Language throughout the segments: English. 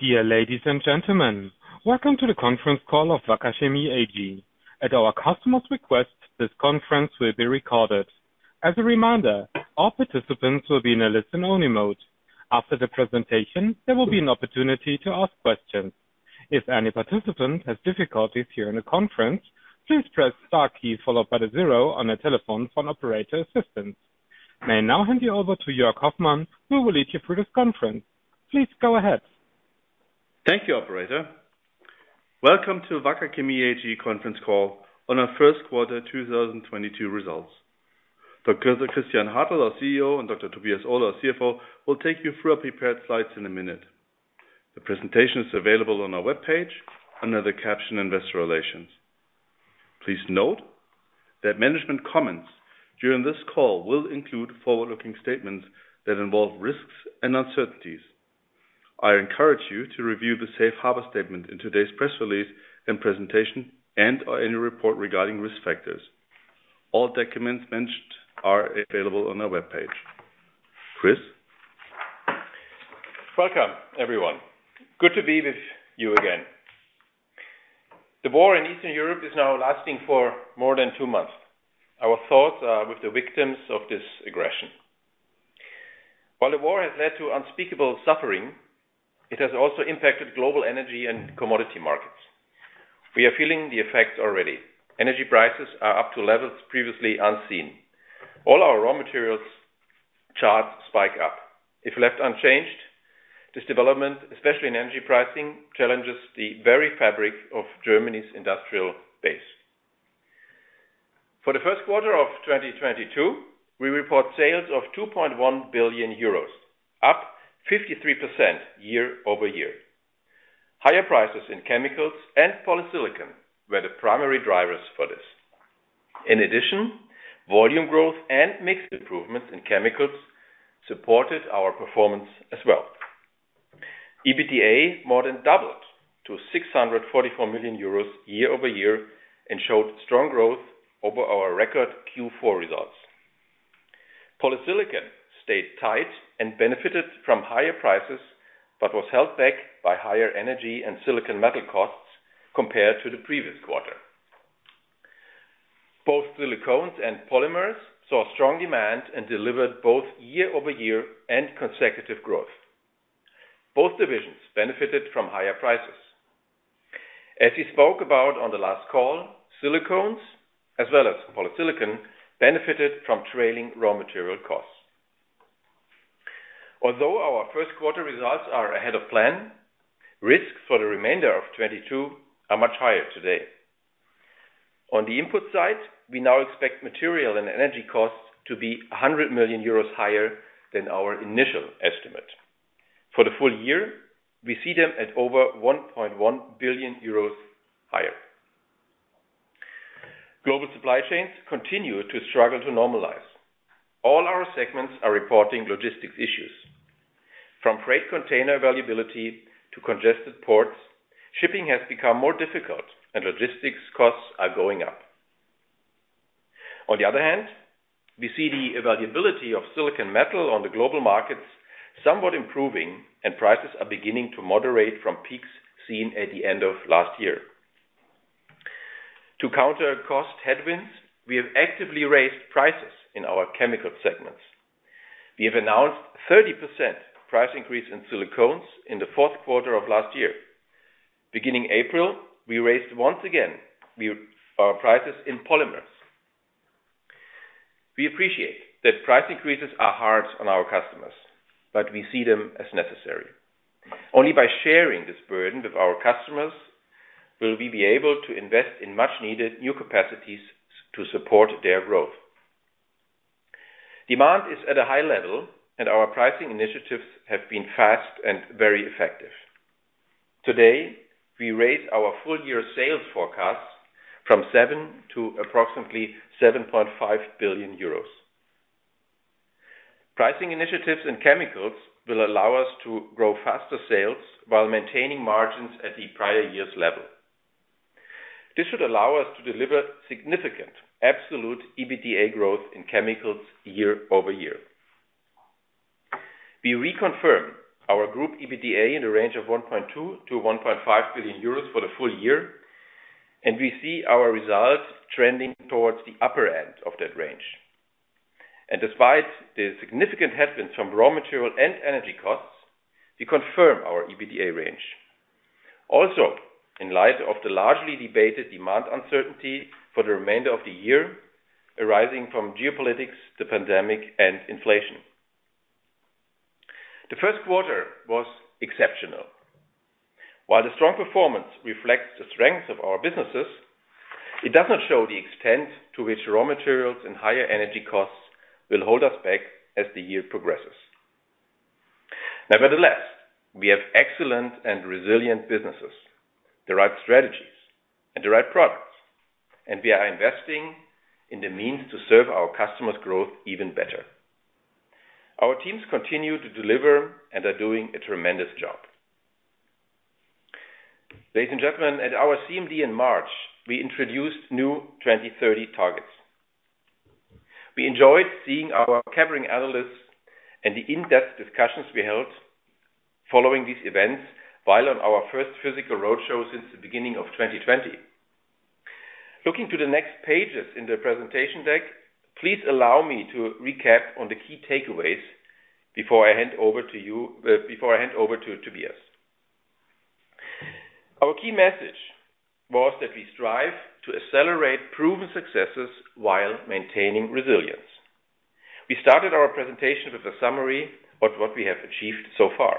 Dear ladies and gentlemen, welcome to the conference call of Wacker Chemie AG. At our customer's request, this conference will be recorded. As a reminder, all participants will be in a listen-only mode. After the presentation, there will be an opportunity to ask questions. If any participant has difficulties during the conference, please press star key followed by the zero on your telephone for an operator assistance. May I now hand you over to Jörg Hoffmann, who will lead you through this conference. Please go ahead. Thank you, operator. Welcome to Wacker Chemie AG Conference Call on our Q1 2022 results. Dr. Christian Hartel, our CEO, and Dr. Tobias Ohler, our CFO, will take you through our prepared slides in a minute. The presentation is available on our webpage under the caption Investor Relations. Please note that management comments during this call will include forward-looking statements that involve risks and uncertainties. I encourage you to review the safe harbor statement in today's press release and presentation and/or annual report regarding risk factors. All documents mentioned are available on our webpage. Chris? Welcome, everyone. Good to be with you again. The war in Eastern Europe is now lasting for more than two months. Our thoughts are with the victims of this aggression. While the war has led to unspeakable suffering, it has also impacted global energy and commodity markets. We are feeling the effects already. Energy prices are up to levels previously unseen. All our raw materials charts spike up. If left unchanged, this development, especially in energy pricing, challenges the very fabric of Germany's industrial base. For the Q1 of 2022, we report sales of 2.1 billion euros, up 53% year-over-year. Higher prices in chemicals and Polysilicon were the primary drivers for this. In addition, volume growth and mix improvements in chemicals supported our performance as well. EBITDA more than doubled to 644 million euros year-over-year and showed strong growth over our record Q4 results. Polysilicon stayed tight and benefited from higher prices, but was held back by higher energy and silicon metal costs compared to the previous quarter. Both Silicones and Polymers saw strong demand and delivered both year-over-year and consecutive growth. Both divisions benefited from higher prices. As we spoke about on the last call, Silicones, as well as Polysilicon, benefited from trailing raw material costs. Although our Q1 results are ahead of plan, risks for the remainder of 2022 are much higher today. On the input side, we now expect material and energy costs to be 100 million euros higher than our initial estimate. For the full year, we see them at over 1.1 billion euros higher. Global supply chains continue to struggle to normalize. All our segments are reporting logistics issues. From freight container availability to congested ports, shipping has become more difficult and logistics costs are going up. On the other hand, we see the availability of silicon metal on the global markets somewhat improving, and prices are beginning to moderate from peaks seen at the end of last year. To counter cost headwinds, we have actively raised prices in our chemical segments. We have announced 30% price increase in Silicones in the Q4 of last year. Beginning April, we raised once again our prices in Polymers. We appreciate that price increases are hard on our customers, but we see them as necessary. Only by sharing this burden with our customers will we be able to invest in much needed new capacities to support their growth. Demand is at a high level, and our pricing initiatives have been fast and very effective. Today, we raise our full year sales forecast from 7 billion to approximately 7.5 billion euros. Pricing initiatives in chemicals will allow us to grow faster sales while maintaining margins at the prior year's level. This should allow us to deliver significant absolute EBITDA growth in chemicals year-over-year. We reconfirm our group EBITDA in the range of 1.2 billion-1.5 billion euros for the full year, and we see our results trending towards the upper end of that range. Despite the significant headwinds from raw material and energy costs, we confirm our EBITDA range. Also, in light of the largely debated demand uncertainty for the remainder of the year arising from geopolitics, the pandemic, and inflation. The Q1 was exceptional. While the strong performance reflects the strength of our businesses, it does not show the extent to which raw materials and higher energy costs will hold us back as the year progresses. Nevertheless, we have excellent and resilient businesses, the right strategies and the right products, and we are investing in the means to serve our customers' growth even better. Our teams continue to deliver and are doing a tremendous job. Ladies and gentlemen, at our CMD in March, we introduced new 2030 targets. We enjoyed seeing our covering analysts and the in-depth discussions we held following these events while on our first physical roadshow since the beginning of 2020. Looking to the next pages in the presentation deck, please allow me to recap on the key takeaways before I hand over to Tobias. Our key message was that we strive to accelerate proven successes while maintaining resilience. We started our presentation with a summary of what we have achieved so far.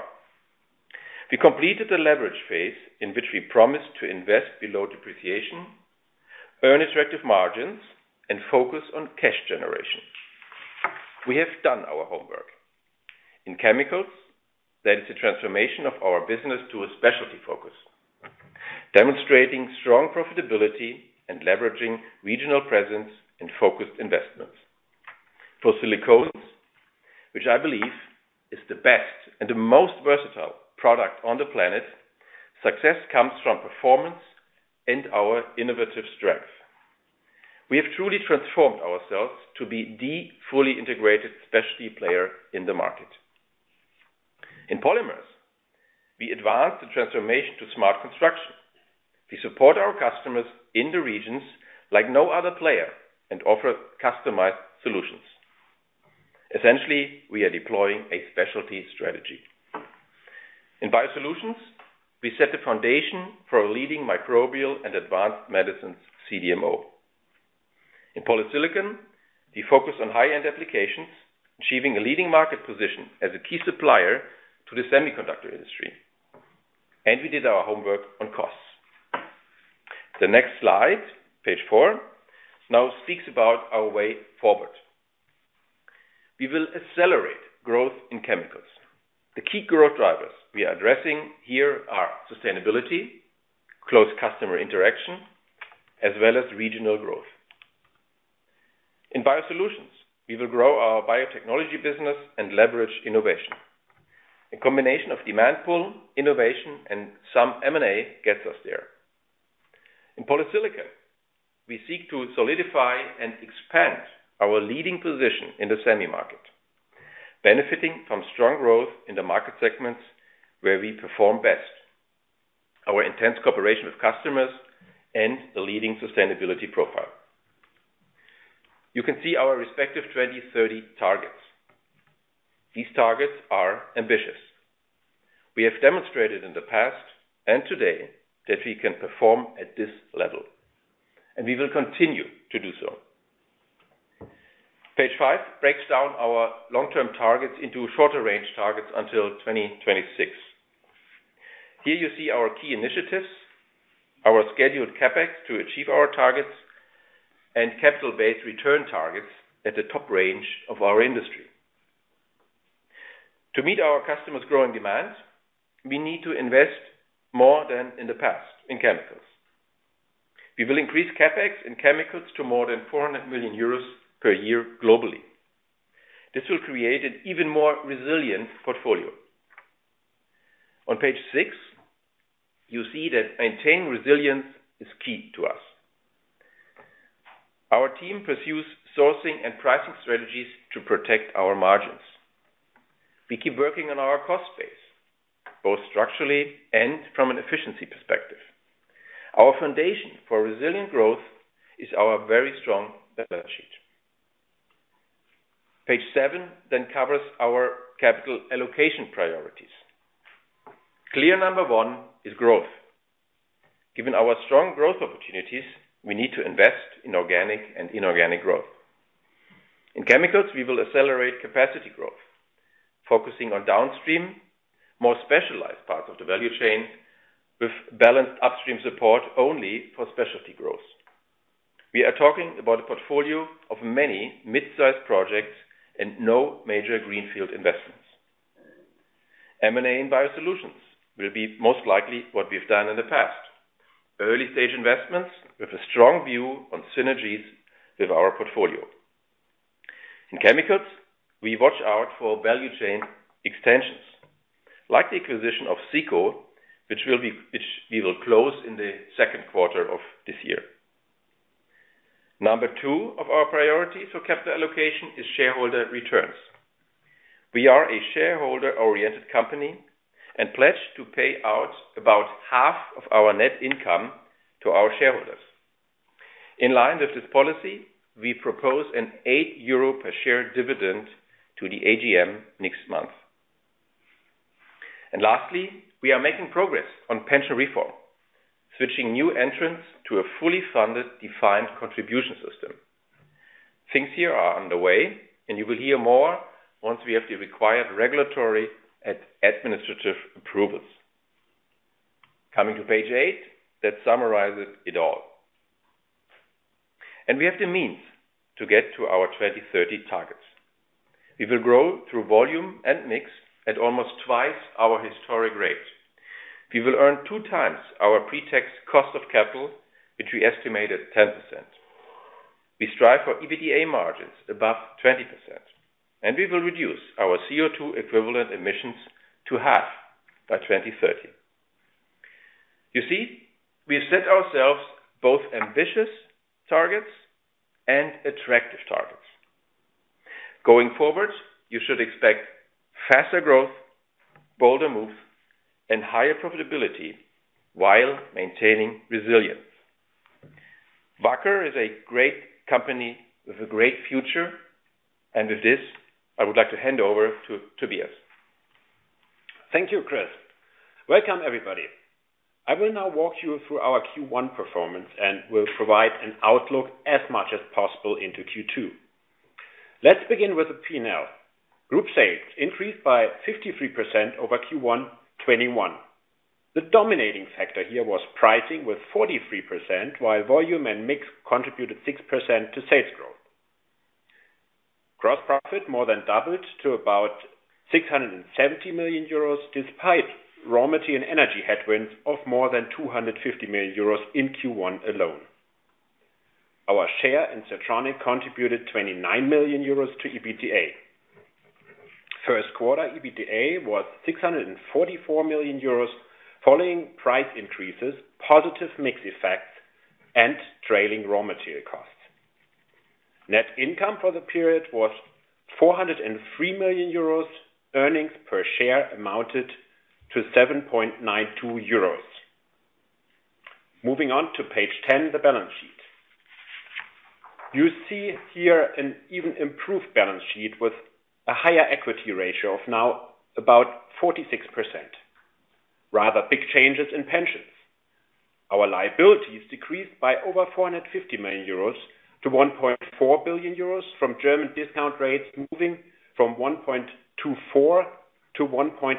We completed the leverage phase in which we promised to invest below depreciation, earn attractive margins, and focus on cash generation. We have done our homework. In Chemicals, that is a transformation of our business to a specialty focus, demonstrating strong profitability and leveraging regional presence and focused investments. For Silicones, which I believe is the best and the most versatile product on the planet, success comes from performance and our innovative strength. We have truly transformed ourselves to be the fully integrated specialty player in the market. In Polymers, we advanced the transformation to smart construction. We support our customers in the regions like no other player and offer customized solutions. Essentially, we are deploying a specialty strategy. In Biosolutions, we set the foundation for a leading microbial and advanced medicines CDMO. In Polysilicon, we focus on high-end applications, achieving a leading market position as a key supplier to the semiconductor industry. We did our homework on costs. The next slide, page four, now speaks about our way forward. We will accelerate growth in Chemicals. The key growth drivers we are addressing here are sustainability, close customer interaction, as well as regional growth. In Biosolutions, we will grow our biotechnology business and leverage innovation. A combination of demand pull, innovation, and some M&A gets us there. In Polysilicon, we seek to solidify and expand our leading position in the semi market, benefiting from strong growth in the market segments where we perform best, our intense cooperation with customers, and the leading sustainability profile. You can see our respective 2030 targets. These targets are ambitious. We have demonstrated in the past and today that we can perform at this level, and we will continue to do so. Page five breaks down our long-term targets into shorter range targets until 2026. Here you see our key initiatives, our scheduled CapEx to achieve our targets, and capital-based return targets at the top range of our industry. To meet our customers' growing demands, we need to invest more than in the past in Chemicals. We will increase CapEx in Chemicals to more than 400 million euros per year globally. This will create an even more resilient portfolio. On page six, you see that maintaining resilience is key to us. Our team pursues sourcing and pricing strategies to protect our margins. We keep working on our cost base, both structurally and from an efficiency perspective. Our foundation for resilient growth is our very strong balance sheet. Page seven covers our capital allocation priorities. Clear number one is growth. Given our strong growth opportunities, we need to invest in organic and inorganic growth. In Chemicals, we will accelerate capacity growth, focusing on downstream, more specialized parts of the value chain with balanced upstream support only for specialty growth. We are talking about a portfolio of many mid-sized projects and no major greenfield investments. M&A in Biosolutions will be most likely what we've done in the past, early-stage investments with a strong view on synergies with our portfolio. In Chemicals, we watch out for value chain extensions, like the acquisition of SICO, which we will close in the Q2 of this year. Number two of our priorities for capital allocation is shareholder returns. We are a shareholder-oriented company and pledge to pay out about half of our net income to our shareholders. In line with this policy, we propose an 8 euro per share dividend to the AGM next month. Lastly, we are making progress on pension reform, switching new entrants to a fully funded defined contribution system. Things here are underway, and you will hear more once we have the required regulatory administrative approvals. Coming to page eight, that summarizes it all. We have the means to get to our 2030 targets. We will grow through volume and mix at almost twice our historic rate. We will earn 2 times our pre-tax cost of capital, which we estimate at 10%. We strive for EBITDA margins above 20%, and we will reduce our CO2 equivalent emissions to half by 2030. You see, we have set ourselves both ambitious targets and attractive targets. Going forward, you should expect faster growth, bolder moves, and higher profitability while maintaining resilience. Wacker is a great company with a great future, and with this, I would like to hand over to Tobias. Thank you, Chris. Welcome, everybody. I will now walk you through our Q1 performance and will provide an outlook as much as possible into Q2. Let's begin with the P&L. Group sales increased by 53% over Q1 2021. The dominating factor here was pricing with 43%, while volume and mix contributed 6% to sales growth. Gross profit more than doubled to about 670 million euros, despite raw material and energy headwinds of more than 250 million euros in Q1 alone. Our share in Siltronic contributed 29 million euros to EBITDA. Q1 EBITDA was 644 million euros following price increases, positive mix effects, and trailing raw material costs. Net income for the period was 403 million euros. Earnings per share amounted to 7.92 euros. Moving on to page 10, the balance sheet. You see here an even improved balance sheet with a higher equity ratio of now about 46%. Rather big changes in pensions. Our liabilities decreased by over 450 million euros to 1.4 billion euros from German discount rates moving from 1.24% to 1.87%.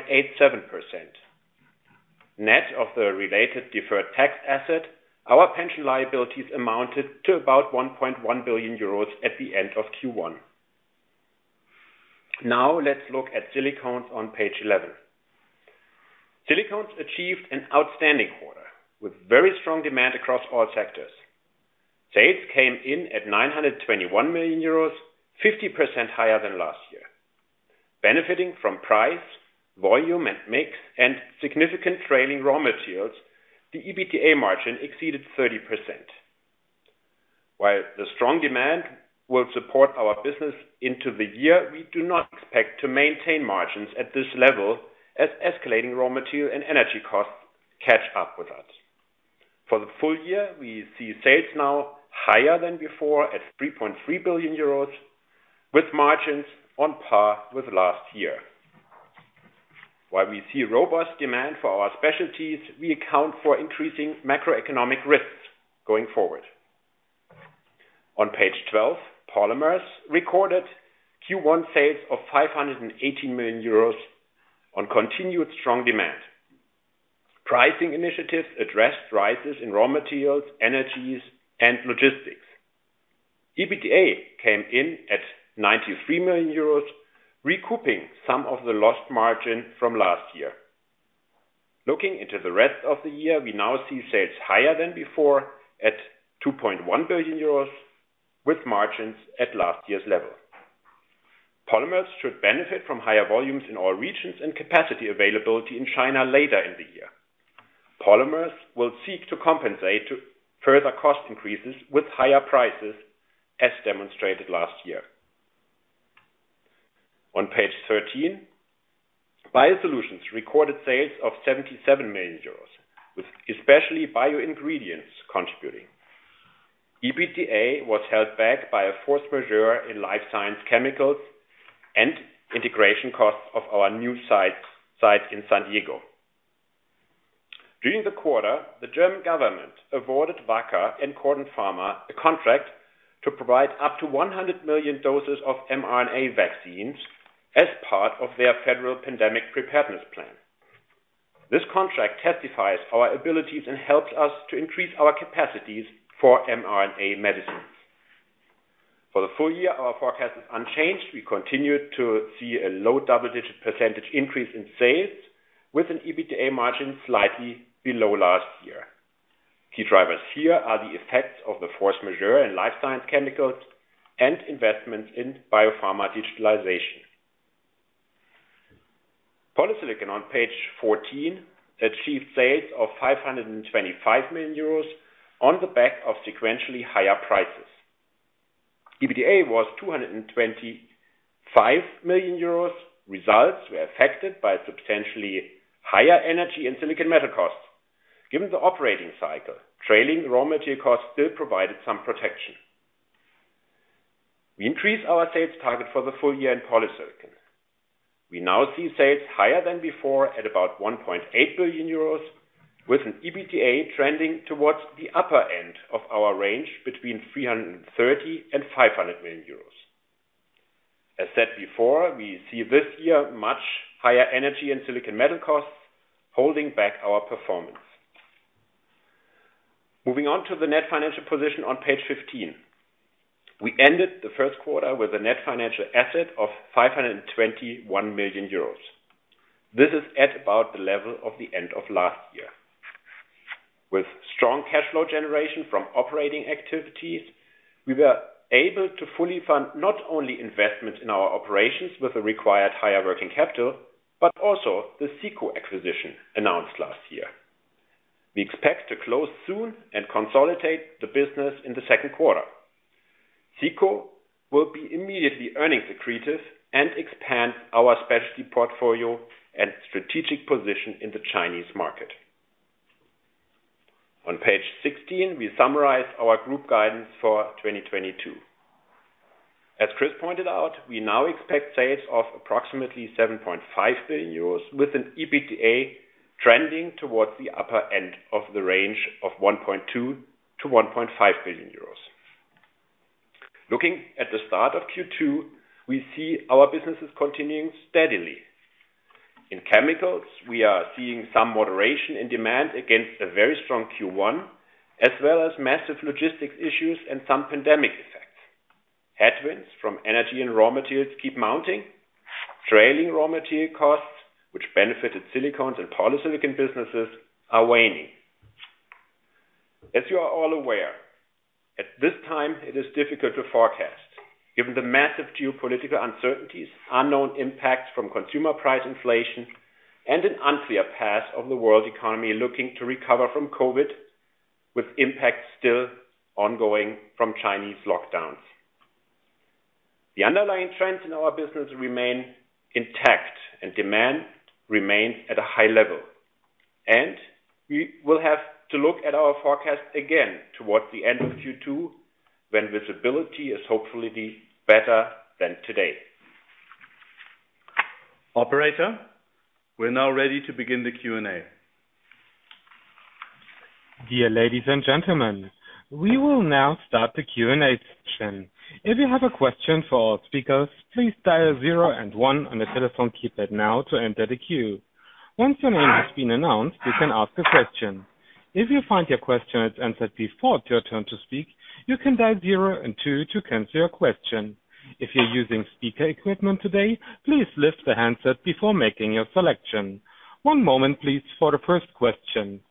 Net of the related deferred tax asset, our pension liabilities amounted to about 1.1 billion euros at the end of Q1. Now let's look at Silicones on page 11. Silicones achieved an outstanding quarter with very strong demand across all sectors. Sales came in at 921 million euros, 50% higher than last year. Benefiting from price, volume, and mix, and significant tailwind from raw materials, the EBITDA margin exceeded 30%. While the strong demand will support our business into the year, we do not expect to maintain margins at this level as escalating raw material and energy costs catch up with us. For the full year, we see sales now higher than before at 3.3 billion euros, with margins on par with last year. While we see robust demand for our specialties, we account for increasing macroeconomic risks going forward. On page 12, Polymers recorded Q1 sales of 580 million euros on continued strong demand. Pricing initiatives addressed rises in raw materials, energies, and logistics. EBITDA came in at 93 million euros, recouping some of the lost margin from last year. Looking into the rest of the year, we now see sales higher than before at 2.1 billion euros, with margins at last year's level. Polymers should benefit from higher volumes in all regions and capacity availability in China later in the year. Polymers will seek to compensate further cost increases with higher prices as demonstrated last year. On page 13, Biosolutions recorded sales of 77 million euros, with especially bio-ingredients contributing. EBITDA was held back by a force majeure in life science chemicals and integration costs of our new site in San Diego. During the quarter, the German government awarded Wacker and CordenPharma a contract to provide up to 100 million doses of mRNA vaccines as part of their federal pandemic preparedness plan. This contract testifies our abilities and helps us to increase our capacities for mRNA medicines. For the full year, our forecast is unchanged. We continue to see a low double-digit percentage increase in sales with an EBITDA margin slightly below last year. Key drivers here are the effects of the force majeure in life science chemicals and investments in biopharma digitalization. Polysilicon on page 14 achieved sales of 525 million euros on the back of sequentially higher prices. EBITDA was 225 million euros. Results were affected by substantially higher energy and silicon metal costs. Given the operating cycle, trailing raw material costs still provided some protection. We increased our sales target for the full year in Polysilicon. We now see sales higher than before at about 1.8 billion euros with an EBITDA trending towards the upper end of our range between 330 million-500 million euros. As said before, we see this year much higher energy and silicon metal costs holding back our performance. Moving on to the net financial position on page 15. We ended the Q1 with a net financial asset of 521 million euros. This is at about the level of the end of last year. With strong cash flow generation from operating activities, we were able to fully fund not only investments in our operations with the required higher working capital, but also the SICO acquisition announced last year. We expect to close soon and consolidate the business in the Q2. SICO will be immediately earnings accretive and expand our specialty portfolio and strategic position in the Chinese market. On page 16, we summarize our group guidance for 2022. As Chris pointed out, we now expect sales of approximately 7.5 billion euros with an EBITDA trending towards the upper end of the range of 1.2 billion-1.5 billion euros. Looking at the start of Q2, we see our businesses continuing steadily. In chemicals, we are seeing some moderation in demand against a very strong Q1, as well as massive logistics issues and some pandemic effects. Headwinds from energy and raw materials keep mounting. Trailing raw material costs, which benefited silicones and polysilicon businesses are waning. As you are all aware, at this time it is difficult to forecast given the massive geopolitical uncertainties, unknown impacts from consumer price inflation, and an unclear path of the world economy looking to recover from COVID, with impacts still ongoing from Chinese lockdowns. The underlying trends in our business remain intact and demand remains at a high level, and we will have to look at our forecast again towards the end of Q2 when visibility is hopefully better than today. Operator, we're now ready to begin the Q&A. Dear ladies and gentlemen, we will now start the Q&A section. If you have a question for our speakers, please dial zero and one on the telephone keypad now to enter the queue. Once your name has been announced, you can ask a question. If you find your question has answered before it's your turn to speak, you can dial zero and two to cancel your question. If you're using speaker equipment today, please lift the handset before making your selection. One moment please for the first question.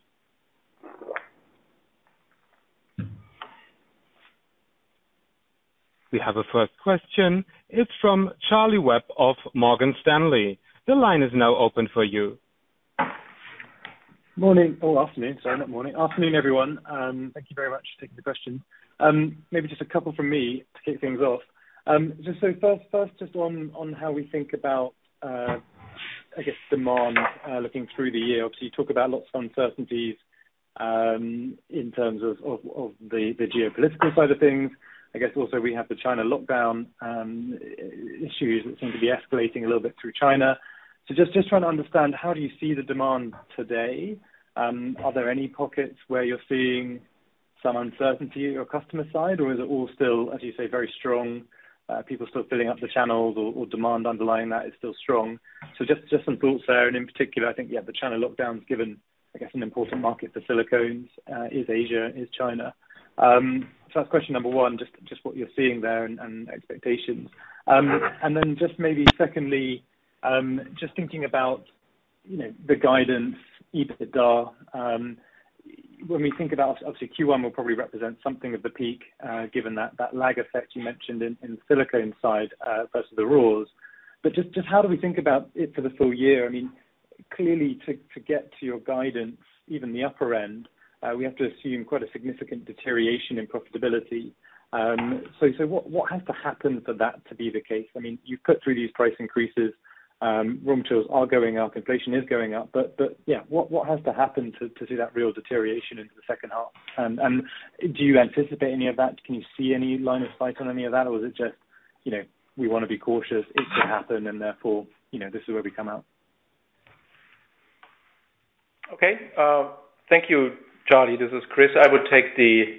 We have a first question. It's from Charlie Webb of Morgan Stanley. The line is now open for you. Afternoon, everyone. Thank you very much for taking the question. Maybe just a couple from me to kick things off. First, just on how we think about, I guess, demand looking through the year. Obviously, you talk about lots of uncertainties in terms of the geopolitical side of things. I guess also we have the China lockdown issues that seem to be escalating a little bit through China. Just trying to understand how do you see the demand today? Are there any pockets where you are seeing some uncertainty on your customer side, or is it all still, as you say, very strong, people still filling up the channels or demand underlying that is still strong? Just some thoughts there. In particular, I think, yeah, the China lockdowns, given I guess an important market for silicones, is Asia, is China. That's question number one, just what you're seeing there and expectations. Then just maybe secondly, just thinking about, you know, the guidance, EBITDA. When we think about obviously Q1 will probably represent something of the peak, given that that lag effect you mentioned in the silicone side, versus the raws. Just how do we think about it for the full year? I mean, clearly to get to your guidance, even the upper end, we have to assume quite a significant deterioration in profitability. What has to happen for that to be the case? I mean, you've cut through these price increases. Raw materials are going up. Inflation is going up. Yeah, what has to happen to see that real deterioration into the second half? Do you anticipate any of that? Can you see any line of sight on any of that, or is it just, you know, we wanna be cautious, it could happen and therefore, you know, this is where we come out? Okay. Thank you, Charlie. This is Christian. I would take the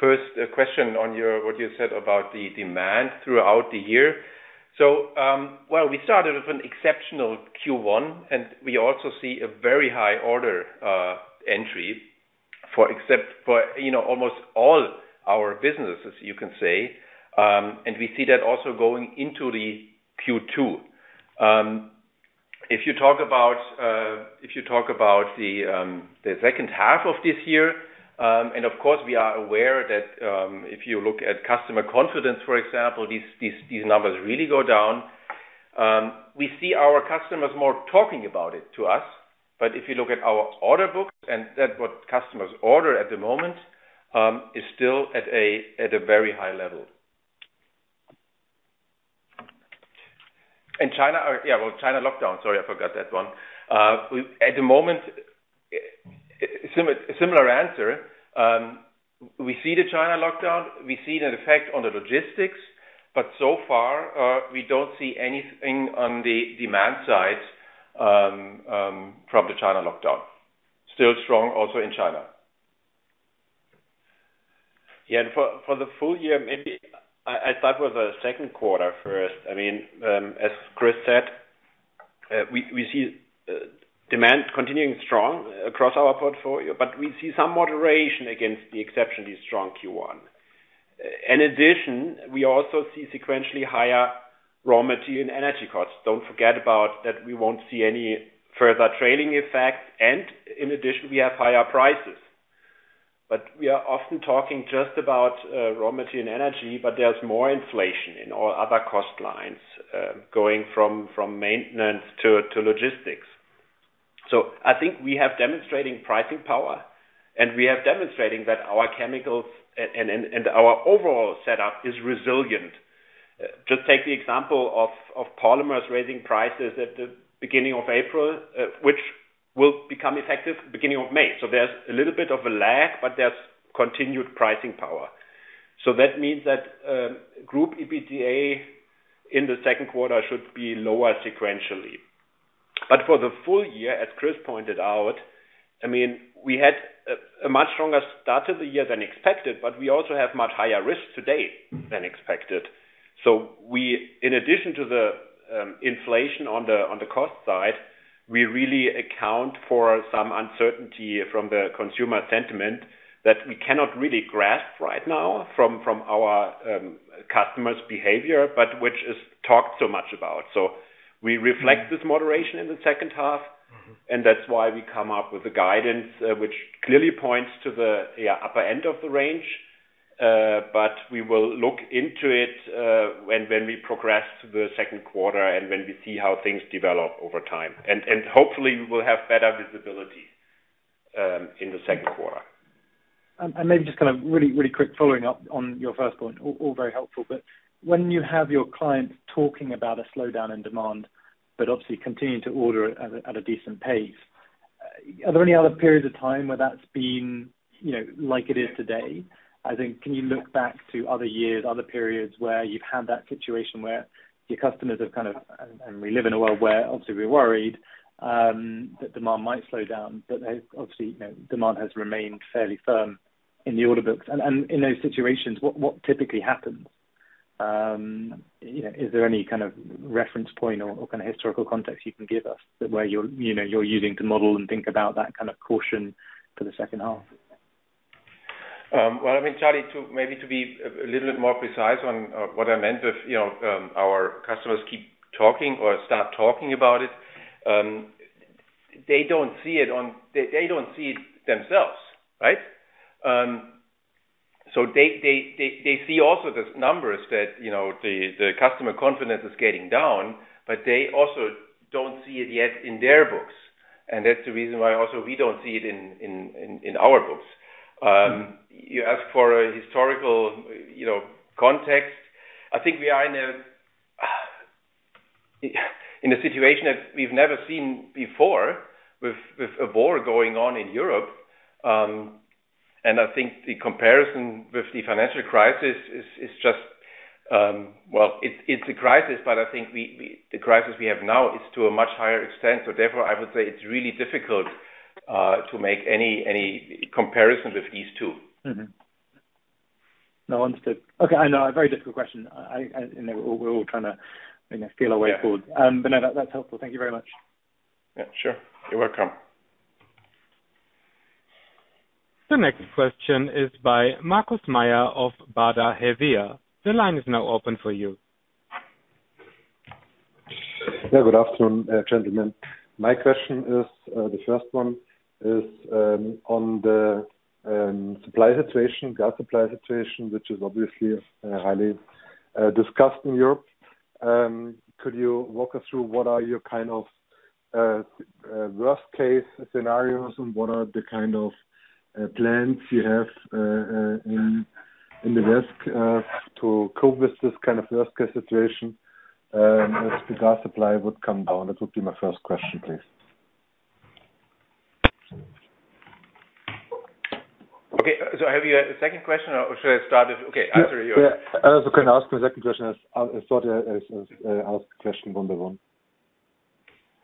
first question on what you said about the demand throughout the year. Well, we started with an exceptional Q1, and we also see a very high order entry, you know, for almost all our businesses, you can say. We see that also going into the Q2. If you talk about the second half of this year, and of course we are aware that if you look at customer confidence, for example, these numbers really go down. We see our customers more talking about it to us, but if you look at our order books and what customers order at the moment is still at a very high level. China lockdown. Sorry, I forgot that one. At the moment, similar answer. We see the China lockdown, we see an effect on the logistics, but so far, we don't see anything on the demand side from the China lockdown. Still strong also in China. For the full year, maybe I'd start with the Q2 first. As Chris said, we see demand continuing strong across our portfolio, but we see some moderation against the exceptionally strong Q1. In addition, we also see sequentially higher raw material and energy costs. Don't forget that we won't see any further trailing effect. In addition, we have higher prices. We are often talking just about raw material and energy, but there's more inflation in all other cost lines, going from maintenance to logistics. I think we have demonstrating pricing power, and we have demonstrating that our chemicals and our overall setup is resilient. Just take the example of Polymers raising prices at the beginning of April, which will become effective beginning of May. There's a little bit of a lag, but there's continued pricing power. That means that group EBITDA in the Q2 should be lower sequentially. For the full year, as Chris pointed out, I mean, we had a much stronger start to the year than expected, but we also have much higher risks today than expected. In addition to the inflation on the cost side, we really account for some uncertainty from the consumer sentiment that we cannot really grasp right now from our customers' behavior, but which is talked so much about. We reflect this moderation in the second half, and that's why we come up with a guidance which clearly points to the upper end of the range. We will look into it when we progress to the Q2 and when we see how things develop over time. Hopefully we will have better visibility in the Q2. Maybe just kind of really quick following up on your first point, all very helpful. When you have your clients talking about a slowdown in demand, but obviously continuing to order at a decent pace, are there any other periods of time where that's been, you know, like it is today? I think, can you look back to other years, other periods where you've had that situation where your customers have. We live in a world where obviously we're worried that demand might slow down. Obviously, you know, demand has remained fairly firm in the order books. In those situations, what typically happens? Is there any kind of reference point or kind of historical context you can give us where you're, you know, you're using to model and think about that kind of caution for the H2? Well, I mean, Charlie, maybe to be a little bit more precise on what I meant with, you know, our customers keep talking or start talking about it. They don't see it themselves, right? They see also the numbers that, you know, the customer confidence is going down, but they also don't see it yet in their books. That's the reason why also we don't see it in our books. You ask for a historical, you know, context. I think we are in a situation that we've never seen before with a war going on in Europe. I think the comparison with the financial crisis is just. Well, it's a crisis, but I think the crisis we have now is to a much higher extent. Therefore, I would say it's really difficult to make any comparison with these two. Mm-hmm. No, understood. Okay. I know, a very difficult question. You know, we're all trying to, you know, feel our way forward. No, that that's helpful. Thank you very much. Yeah. Sure. You're welcome. The next question is by Markus Mayer of Baader Helvea. The line is now open for you. Yeah. Good afternoon, gentlemen. My question is, the first one is, on the supply situation, gas supply situation, which is obviously highly discussed in Europe. Could you walk us through what are your kind of worst case scenarios and what are the kind of plans you have, in the worst, to cope with this kind of worst case situation, if the gas supply would come down? That would be my first question, please. Okay. Have you a second question? Okay, after you. Yeah. You can ask the second question as I thought, as to ask question one by one.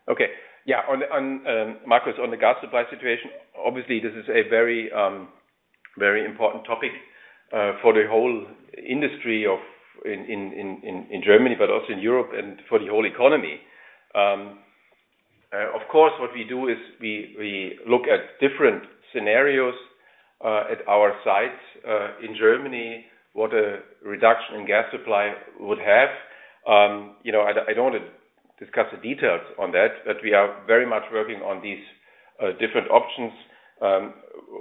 Okay. Yeah. On Markus, on the gas supply situation, obviously this is a very important topic for the whole industry in Germany, but also in Europe and for the whole economy. Of course, what we do is we look at different scenarios at our sites in Germany, what a reduction in gas supply would have. You know, I don't want to discuss the details on that, but we are very much working on these different options.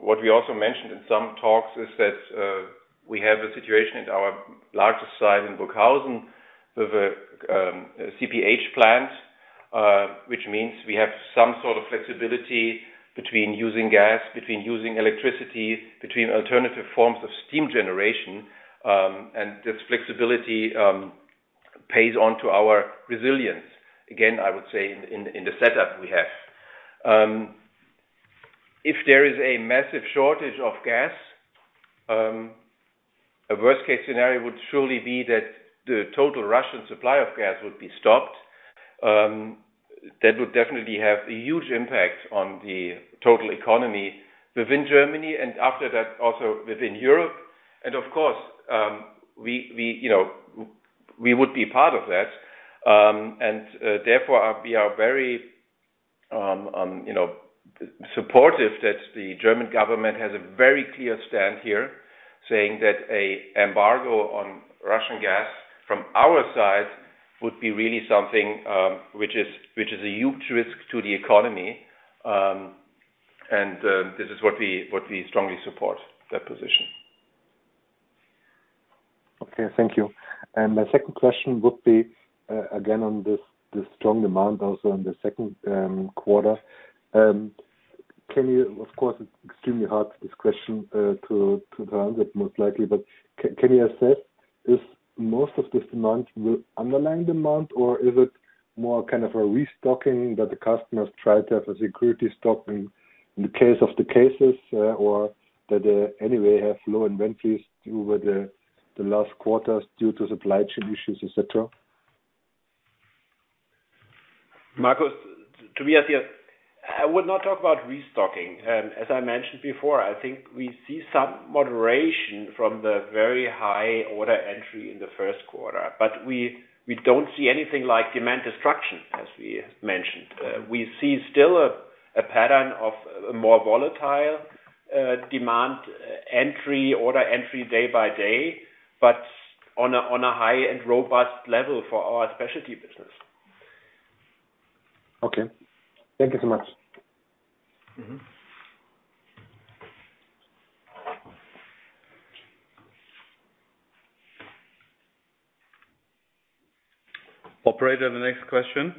What we also mentioned in some talks is that we have a situation at our largest site in Burghausen with a CHP plant, which means we have some sort of flexibility between using gas, between using electricity, between alternative forms of steam generation, and this flexibility plays into our resilience, again, I would say in the setup we have. If there is a massive shortage of gas, a worst case scenario would surely be that the total Russian supply of gas would be stopped. That would definitely have a huge impact on the total economy within Germany and after that also within Europe. Of course, you know, we would be part of that. Therefore, we are very you know supportive that the German government has a very clear stance here saying that an embargo on Russian gas from our side would be really something which is a huge risk to the economy. This is what we strongly support that position. Okay. Thank you. My second question would be, again, on this strong demand also in the Q2. Of course, it's extremely hard, this question to answer most likely, but can you assess if most of this demand is underlying demand or is it more kind of a restocking that the customers try to have a safety stock in the case of cases, or that they anyway have low inventories due to the last quarters due to supply chain issues, et cetera? Markus, Tobias here. I would not talk about restocking. As I mentioned before, I think we see some moderation from the very high order entry in the Q1. We don't see anything like demand destruction, as we mentioned. We see still a pattern of a more volatile demand entry, order entry day by day, but on a high and robust level for our specialty business. Okay. Thank you so much. Mm-hmm. Operator, the next question.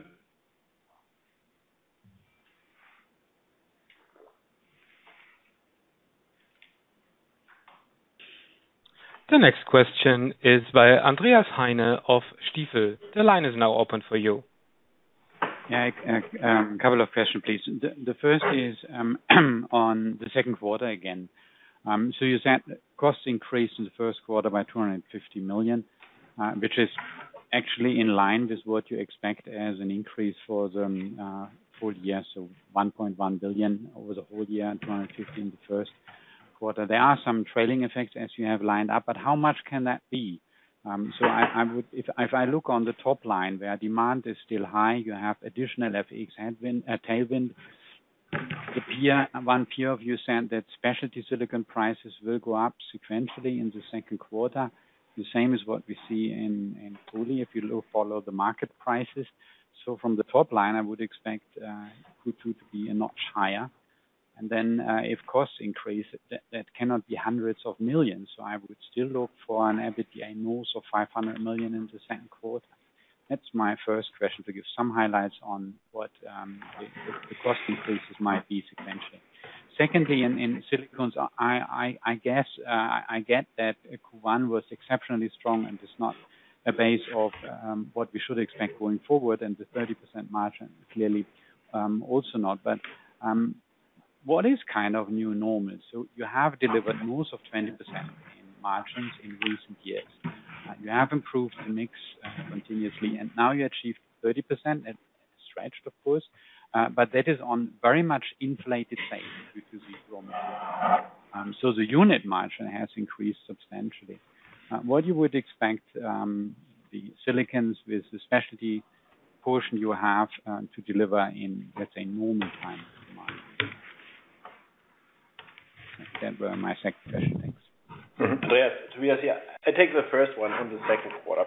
The next question is by Andreas Heine of Stifel. The line is now open for you. A couple of questions, please. The first is on the Q2 again. You said cost increase in the Q1 by 250 million, which is actually in line with what you expect as an increase for the full year. 1.1 billion over the whole year, 250 million in the Q1. There are some trailing effects as you have lined up, but how much can that be? If I look on the top line where demand is still high, you have additional FX headwind, tailwind. One peer of you said that specialty silicones prices will go up sequentially in the Q2. The same as what we see in polysilicon if you follow the market prices. From the top line, I would expect Q2 to be a notch higher. If costs increase, that cannot be hundreds of millions. I would still look for an EBITDA loss of 500 million in the Q2. That's my first question, to give some highlights on what the cost increases might be sequentially. Secondly, in Silicones, I guess I get that Q1 was exceptionally strong and is not a basis for what we should expect going forward, and the 30% margin clearly also not. What is kind of new normal? You have delivered most of 20% in margins in recent years. You have improved the mix continuously, and now you achieved 30%. That stretched, of course. That is on very much inflated sales due to the raw materials. The unit margin has increased substantially. What you would expect, the silicones with the specialty portion you have to deliver in, let's say, normal times demand? That were my second question. Thanks. Yes. Tobias here. I take the first one on the Q2.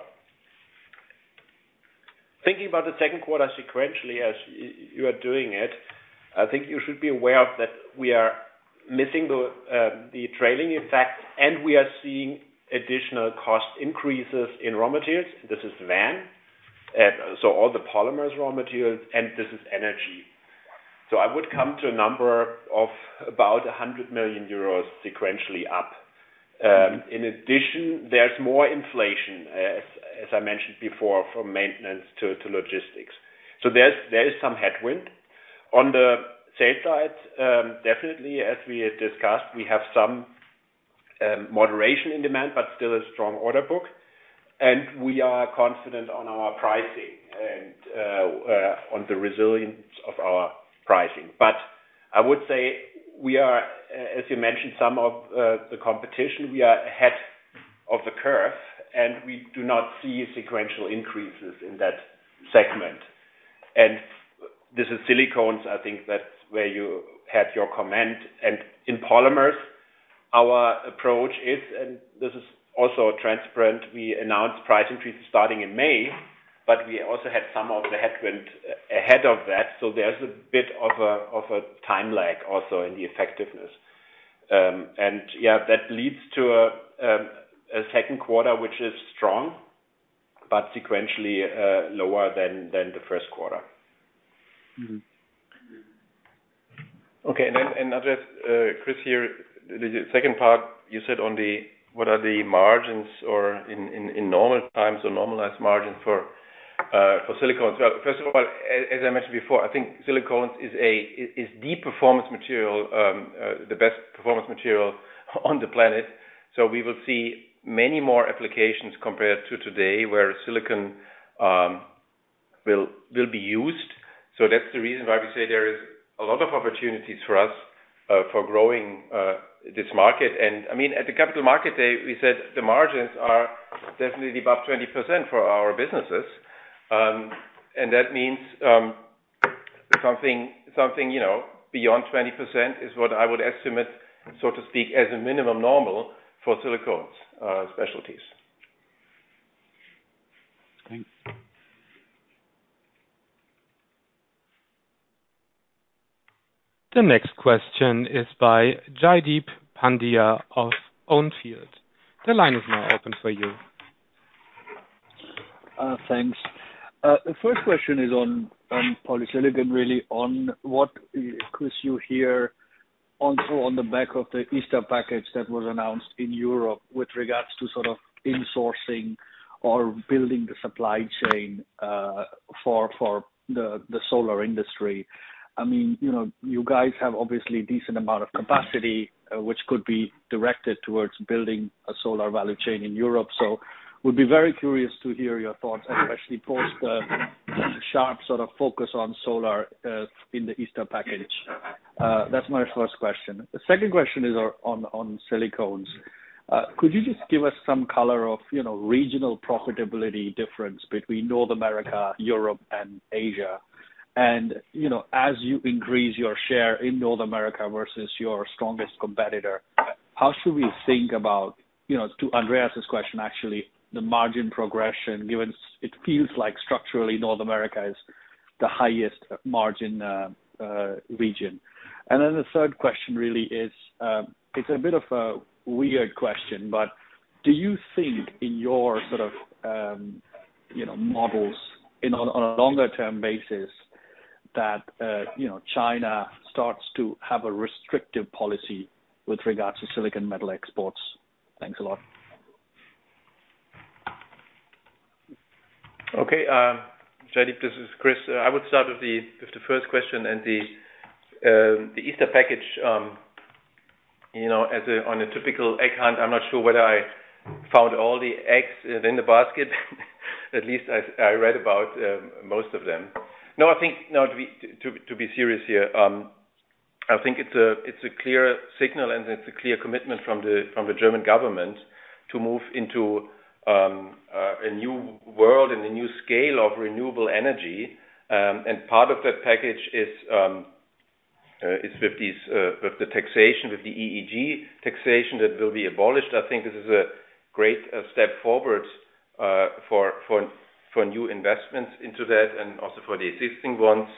Thinking about the Q2 sequentially as you are doing it, I think you should be aware that we are missing the trailing effect, and we are seeing additional cost increases in raw materials. This is VAM, so all the Polymers raw materials, and this is energy. I would come to a number of about 100 million euros sequentially up. In addition, there is more inflation, as I mentioned before, from maintenance to logistics. There is some headwind. On the sales side, definitely, as we discussed, we have some moderation in demand, but still a strong order book. We are confident on our pricing and on the resilience of our pricing. I would say we are, as you mentioned, some of the competition, we are ahead of the curve, and we do not see sequential increases in that segment. This is Silicones, I think that's where you had your comment. In Polymers, our approach is, and this is also transparent, we announced price increases starting in May, but we also had some of the headwind ahead of that. There's a bit of a time lag also in the effectiveness. That leads to a Q2 which is strong but sequentially lower than the Q1. Mm-hmm. Okay. Then address Christian here. The second part you said, what are the margins in normal times or normalized margins for Silicones. Well, first of all, as I mentioned before, I think Silicones is the performance material, the best performance material on the planet. We will see many more applications compared to today where silicon will be used. That's the reason why we say there is a lot of opportunities for us. For growing, this market. I mean, at the Capital Markets Day, we said the margins are definitely above 20% for our businesses. That means, something, you know, beyond 20% is what I would estimate, so to speak, as a minimum normal for Silicones specialties. Thanks. The next question is by Jaideep Pandya of On field. The line is now open for you. Thanks. The first question is on Polysilicon, really, on what Christian you hear on the back of the Easter Package that was announced in Europe with regards to sort of insourcing or building the supply chain for the solar industry. I mean, you know, you guys have obviously decent amount of capacity, which could be directed towards building a solar value chain in Europe. We'll be very curious to hear your thoughts, and especially post the sharp sort of focus on solar in the Easter Package. That's my first question. The second question is on Silicones. Could you just give us some color on, you know, regional profitability difference between North America, Europe, and Asia? You know, as you increase your share in North America versus your strongest competitor, how should we think about, you know, to Andreas' question, actually, the margin progression, given it feels like structurally North America is the highest margin region. The third question really is, it's a bit of a weird question, but do you think in your sort of, you know, models on a longer term basis that, you know, China starts to have a restrictive policy with regards to silicon metal exports? Thanks a lot. Okay. Jaideep, this is Chris. I would start with the first question and the Easter Package, you know, on a typical egg hunt, I'm not sure whether I found all the eggs in the basket. At least I read about most of them. To be serious here, I think it's a clear signal, and it's a clear commitment from the German government to move into a new world and a new scale of renewable energy. And part of that package is with the taxation, with the EEG taxation that will be abolished. I think this is a great step forward for new investments into that and also for the existing ones.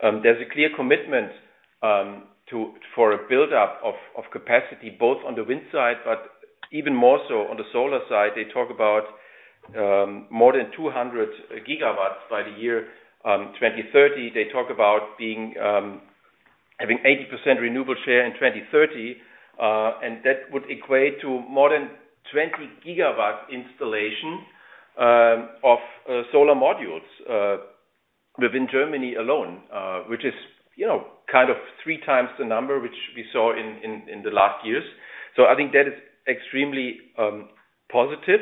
There's a clear commitment to a build-up of capacity, both on the wind side, but even more so on the solar side. They talk about more than 200 GW by the year 2030. They talk about having 80% renewable share in 2030, and that would equate to more than 20 GW installation of solar modules within Germany alone, which is, you know, kind of three times the number which we saw in the last years. I think that is extremely positive,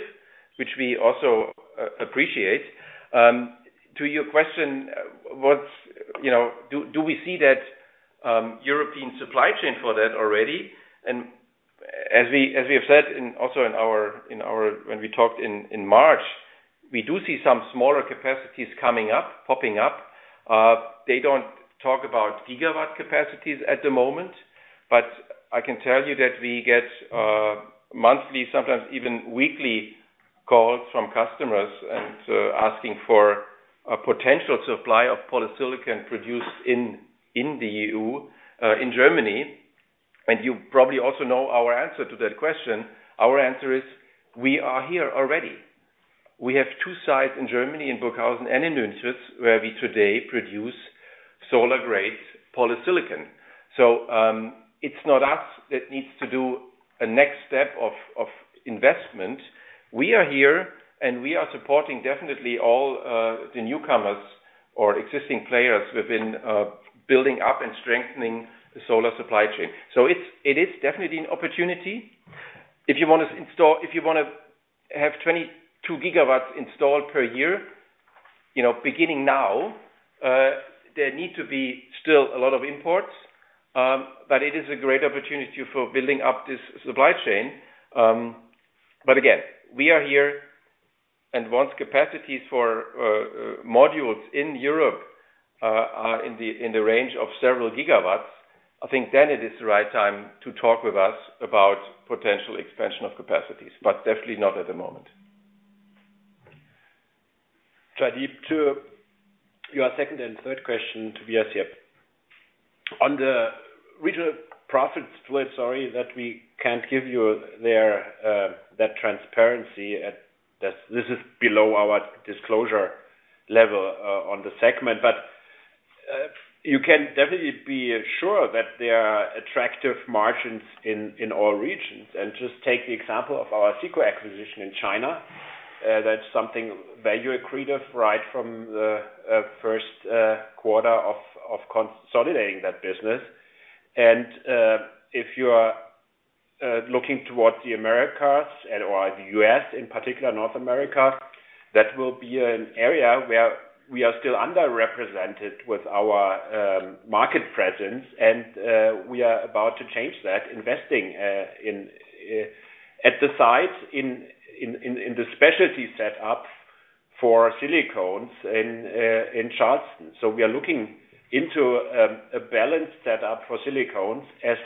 which we also appreciate. To your question, do we see that European supply chain for that already? As we have said, also in our, when we talked in March, we do see some smaller capacities coming up, popping up. They don't talk about gigawatt capacities at the moment, but I can tell you that we get monthly, sometimes even weekly calls from customers and asking for a potential supply of polysilicon produced in the EU, in Germany. You probably also know our answer to that question. Our answer is, we are here already. We have two sites in Germany, in Burghausen and in Nünchritz, where we today produce solar-grade polysilicon. It's not us that needs to do a next step of investment. We are here, and we are supporting definitely all the newcomers or existing players within building up and strengthening the solar supply chain. It is definitely an opportunity. If you wanna have 22 GW installed per year, you know, beginning now, there need to be still a lot of imports. It is a great opportunity for building up this supply chain. We are here. Once capacities for modules in Europe are in the range of several gigawatts, I think then it is the right time to talk with us about potential expansion of capacities, but definitely not at the moment. Jaideep, to your second and third question, to be honest. On the regional profit split, sorry that we can't give you that transparency. This is below our disclosure level on the segment. You can definitely be assured that there are attractive margins in all regions. Just take the example of our SICO acquisition in China. That's something value accretive right from the Q1 of consolidating that business. If you are looking towards the Americas and/or the US in particular North America, that will be an area where we are still underrepresented with our market presence. We are about to change that. Investing at the site in the specialty setup for Silicones in Charleston. We are looking into a balanced setup for Silicones as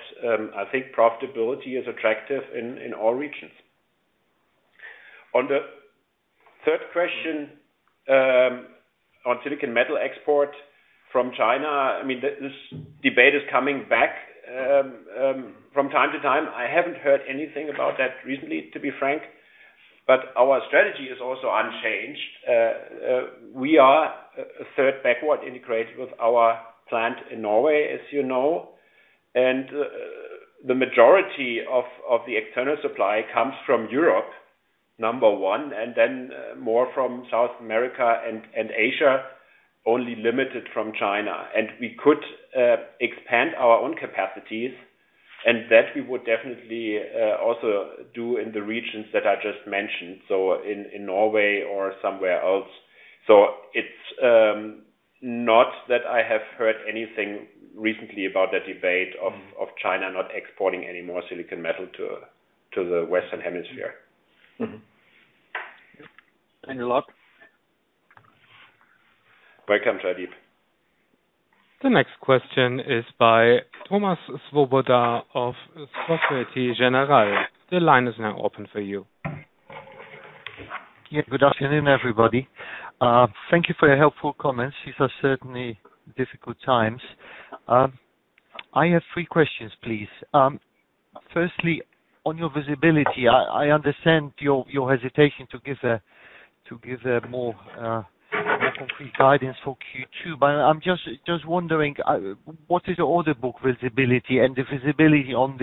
I think profitability is attractive in all regions. On the third question on silicon metal export from China. I mean, this debate is coming back from time to time. I haven't heard anything about that recently, to be frank. Our strategy is also unchanged. We are a third backward integrated with our plant in Norway, as you know, and the majority of the external supply comes from Europe, number one, and then more from South America and Asia, only limited from China. We could expand our own capacities, and that we would definitely also do in the regions that I just mentioned, so in Norway or somewhere else. It's not that I have heard anything recently about the debate of China not exporting any more silicon metal to the western hemisphere. Mm-hmm. Thank you a lot. Welcome, Jaideep. The next question is by Thomas Swoboda of Société Générale. The line is now open for you. Yeah. Good afternoon, everybody. Thank you for your helpful comments. These are certainly difficult times. I have three questions, please. Firstly, on your visibility, I understand your hesitation to give a more concrete guidance for Q2, but I'm just wondering what is the order book visibility and the visibility on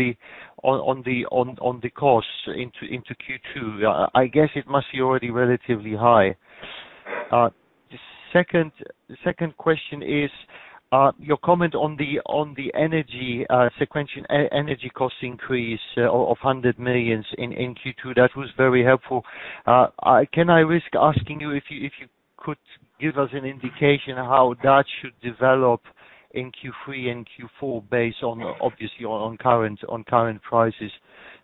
the costs into Q2? I guess it must be already relatively high. The second question is your comment on the energy sequential energy cost increase of 100 million in Q2. That was very helpful. Can I risk asking you if you could give us an indication how that should develop in Q3 and Q4 based on, obviously, current prices?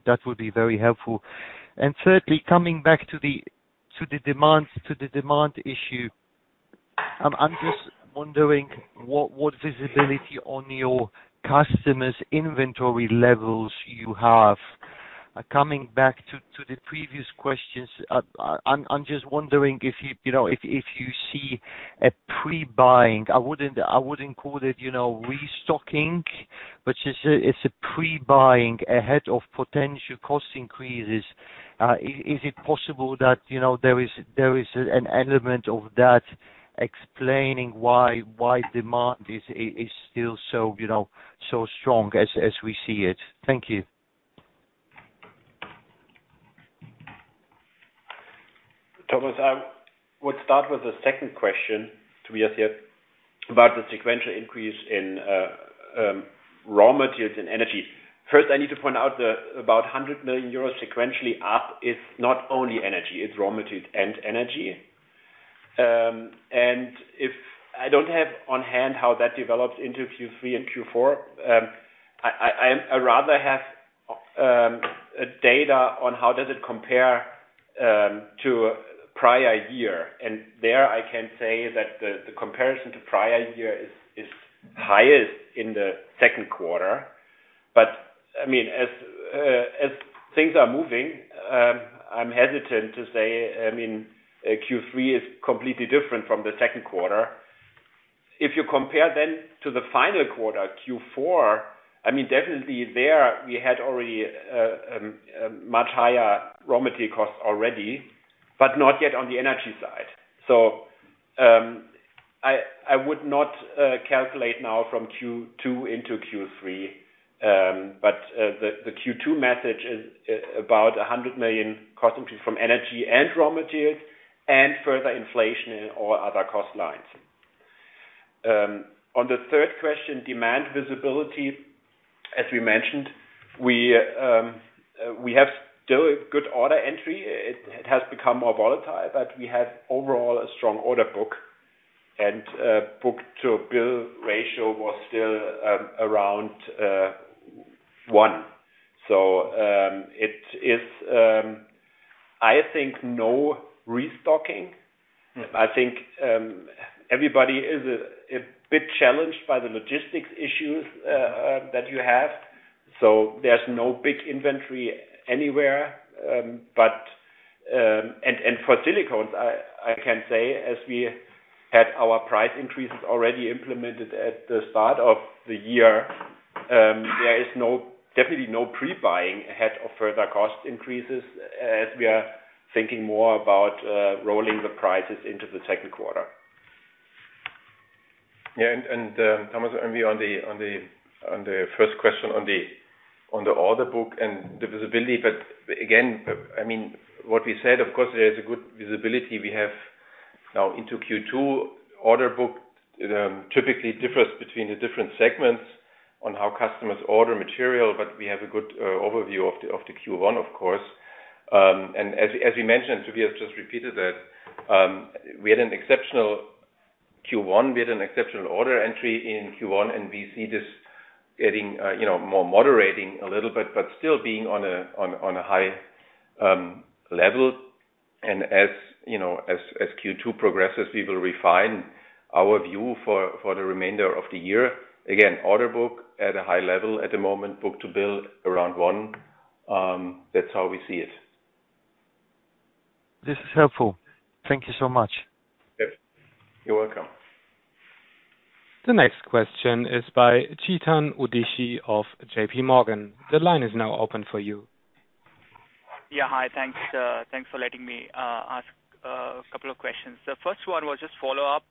That would be very helpful. Thirdly, coming back to the demand issue, I'm just wondering what visibility on your customers' inventory levels you have. Coming back to the previous questions, I'm just wondering if you know, if you see a pre-buying. I wouldn't call it, you know, restocking, but it's a pre-buying ahead of potential cost increases. Is it possible that, you know, there is an element of that explaining why demand is still so, you know, so strong as we see it? Thank you. Thomas, I would start with the second question to be asked here about the sequential increase in raw materials and energy. First, I need to point out that about 100 million euros sequentially up is not only energy. It's raw materials and energy. If I don't have on hand how that develops into Q3 and Q4, I rather have data on how it compares to prior year. There I can say that the comparison to prior year is highest in the Q2. I mean, as things are moving, I'm hesitant to say, I mean, Q3 is completely different from the Q2. If you compare then to the final quarter, Q4, I mean, definitely there we had already a much higher raw material cost already, but not yet on the energy side. I would not calculate now from Q2 into Q3. The Q2 message is about 100 million cost increase from energy and raw materials and further inflation in all other cost lines. On the third question, demand visibility, as we mentioned, we have still a good order entry. It has become more volatile, but we have overall a strong order book, and book-to-bill ratio was still around one. It is, I think, no restocking. I think everybody is a bit challenged by the logistics issues that you have. There's no big inventory anywhere. For Silicones, I can say, as we had our price increases already implemented at the start of the year, there is definitely no pre-buying ahead of further cost increases as we are thinking more about rolling the prices into the Q2. Yeah. Thomas, only on the first question, on the order book and the visibility. Again, I mean, what we said, of course there is a good visibility. We have Now into Q2 order book typically differs between the different segments on how customers order material, but we have a good overview of the Q1, of course. As we mentioned, Tobias just repeated that, we had an exceptional Q1. We had an exceptional order entry in Q1, and we see this getting you know more moderating a little bit, but still being on a high level. As you know, as Q2 progresses, we will refine our view for the remainder of the year. Again, order book at a high level at the moment. Book-to-bill around one. That's how we see it. This is helpful. Thank you so much. Yep. You're welcome. The next question is by Chetan Udeshi of JPMorgan. The line is now open for you. Hi. Thanks for letting me ask a couple of questions. The first one was just follow-up.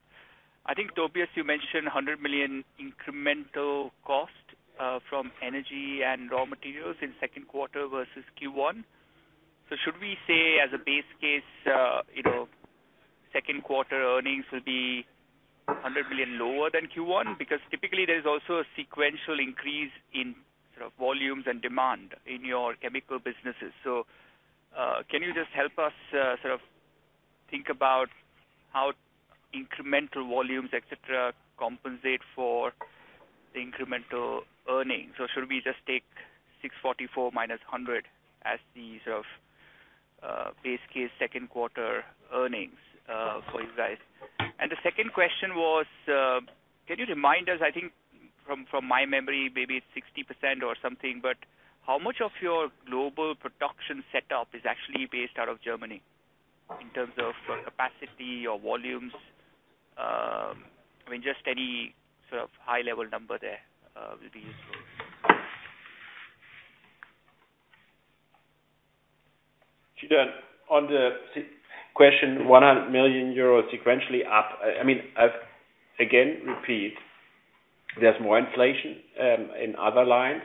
I think, Tobias, you mentioned 100 million incremental cost from energy and raw materials in Q2 versus Q1. Should we say as a base case, you know Q2 earnings will be 100 million lower than Q1? Because typically there is also a sequential increase in sort of volumes and demand in your chemical businesses. Can you just help us sort of think about how incremental volumes, et cetera, compensate for the incremental earnings? Or should we just take 644 million minus 100 million as the sort of base case Q2 earnings for you guys? The second question was, can you remind us, I think from my memory, maybe it's 60% or something, but how much of your global production setup is actually based out of Germany in terms of capacity or volumes? I mean, just any sort of high-level number there will be useful. Chetan, on the sales question, 100 million euros sequentially up. I mean, I again repeat, there's more inflation in other lines.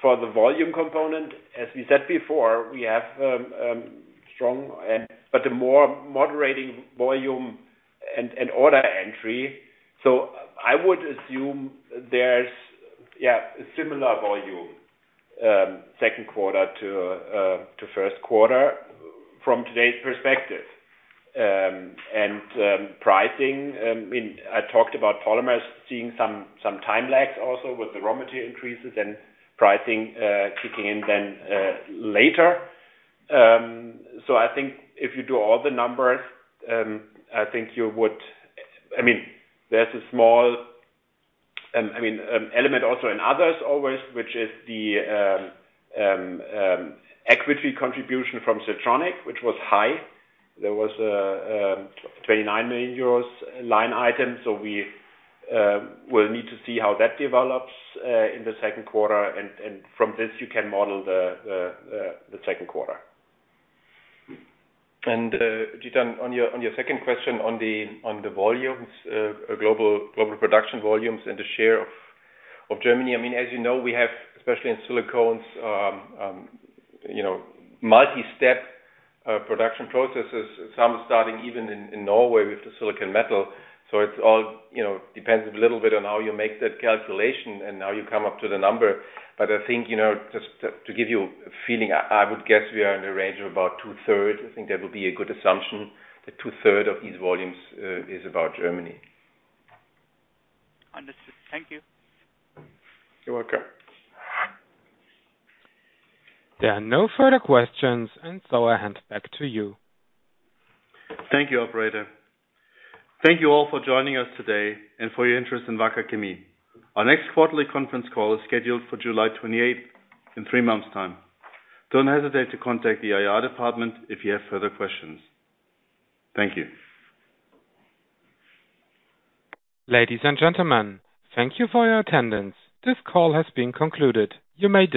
For the volume component, as we said before, we have strong but a more moderating volume and order entry. I would assume there's a similar volume Q2 to the Q1 from today's perspective. Pricing, I mean, I talked about Polymers seeing some time lags also with the raw material increases and pricing kicking in then later. I think if you do all the numbers, I think you would. I mean, there's a small element also in others always, which is the equity contribution from Siltronic, which was high. There was a 29 million euros line item, so we will need to see how that develops in the Q2. From this you can model the Q2. Chetan, on your second question on the volumes, global production volumes and the share of Germany. I mean, as you know, we have, especially in Silicones, you know, multi-step production processes, some starting even in Norway with the silicon metal. It's all, you know, depends a little bit on how you make that calculation and how you come up to the number. I think, you know, just to give you a feeling, I would guess we are in the range of about two-thirds. I think that would be a good assumption, that two-thirds of these volumes is about Germany. Understood. Thank you. You're welcome. There are no further questions, and so I hand back to you. Thank you, operator. Thank you all for joining us today and for your interest in Wacker Chemie. Our next quarterly conference call is scheduled for July 28th, in three months time. Don't hesitate to contact the IR department if you have further questions. Thank you. Ladies and gentlemen, thank you for your attendance. This call has been concluded. You may disconnect.